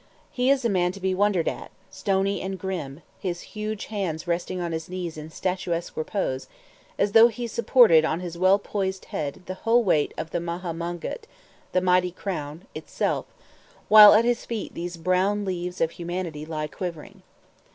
He is a man to be wondered at, stony and grim, his huge hands resting on his knees in statuesque repose, as though he supported on his well poised head the whole weight of the Maha Mongkut [Footnote: "The Mighty Crown."] itself, while at his feet these brown leaves of humanity lie quivering.